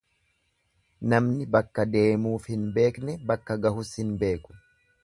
Namni bakka deemuuf hin beekne bakka gahus hin beeku.